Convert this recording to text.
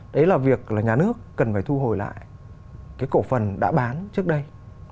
đấy là việc là nhà nước cần phải thu hồi lại cái cổ phần đã bán trước đây